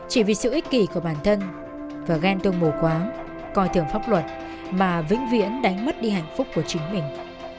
chỉ vì sự ích kỷ của bản thân và gan tương mồ quá coi thường pháp luật mà vĩnh viễn đánh mất đi hạnh phúc của chính mình